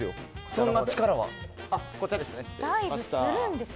そんな力は。